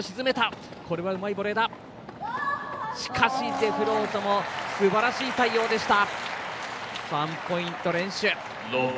デフロートすばらしい対応でした。